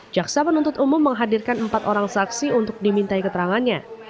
jaksa penuntut umum menghadirkan empat orang saksi untuk dimintai keterangannya